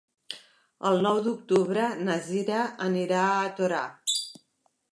El nou d'octubre na Cira anirà a Torà.